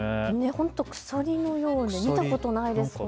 本当に、鎖のように見たことのない雲ですね。